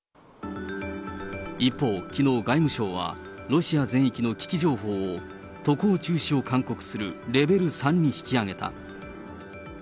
一方、きのう、外務省は、ロシア全域の危機情報を、渡航中止を勧告するレベル３に引き上げた。